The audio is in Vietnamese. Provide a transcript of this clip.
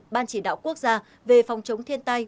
ban chỉ đạo quốc gia về phòng chống thiên tai